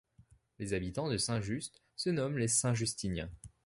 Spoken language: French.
Les habitants de Saint-Just se nomment les Saint-Justiniens.